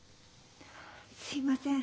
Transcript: すいません。